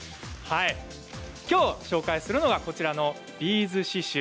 きょう紹介するのがこちらのビーズ刺しゅう。